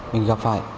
mình gặp phải